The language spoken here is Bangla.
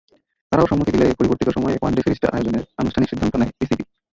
তারাও সম্মতি দিলে পরিবর্তিত সময়ে ওয়ানডে সিরিজটা আয়োজনের আনুষ্ঠানিক সিদ্ধান্ত নেয় বিসিবি।